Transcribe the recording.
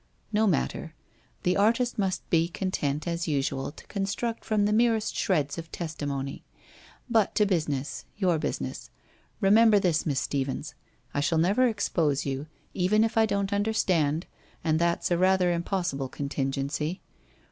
' No matter. The artist must be content as usual to con struct from the merest shreds of testimony. But to busi ness — your business. Remember this, Miss Stephens, I shall never expose you, even if I don't understand, and that's a rather impossible contingency.